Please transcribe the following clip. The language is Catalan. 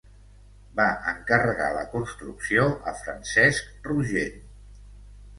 Va encarregar la construcció a Francesc Rogent.